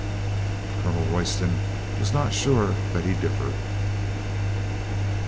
Colonel Royston was not sure that he differed.